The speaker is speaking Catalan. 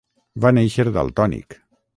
Va néixer daltònic.